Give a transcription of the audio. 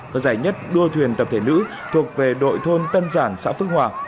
và giải nhất đua thuyền tập thể nữ thuộc về đội thôn tân giản xã phước hòa